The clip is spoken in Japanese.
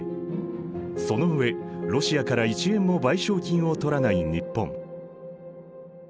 その上ロシアから１円も賠償金を取らない日本。